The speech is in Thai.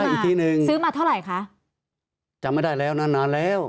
อีกทีนึงซื้อมาเท่าไหร่คะจำไม่ได้แล้วนานนานแล้ว